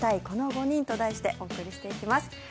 この５人と題してお送りしていきます。